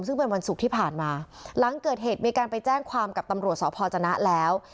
ซึ่งเป็นวันศุกร์ที่ผ่านมาหลังเกิดเหตุมีการไปแจ้งความกับตำรวจสพจนะแล้ว